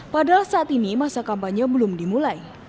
padahal saat ini masa kampanye belum dimulai